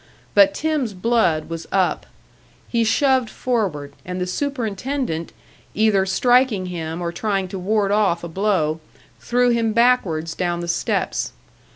But Tim's blood was up; he shoved forward, and the superintendent, either striking him or trying to ward off a blow, threw him backwards down the steps.